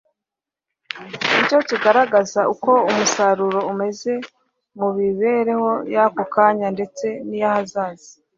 Ni cyo kigaragaza uko umusaruro umeze mu mibereho y'ako kanya ndetse n'iy'ahazaza.